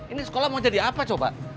ini sekolah mau jadi apa coba